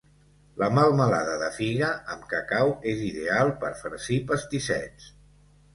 La melmelada de figa amb cacau és ideal per farcir pastissets.